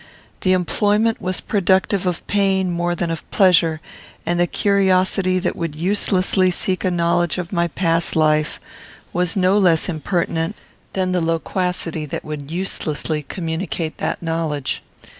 The employment was productive of pain more than of pleasure, and the curiosity that would uselessly seek a knowledge of my past life was no less impertinent than the loquacity that would uselessly communicate that knowledge.